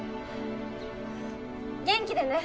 元気でね！